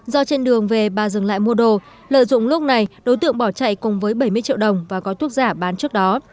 do trên đường về bà dừng lại mua đồ lợi dụng lúc này đối tượng bỏ chạy cùng với bảy mươi triệu đồng và có thuốc giả bán trước đó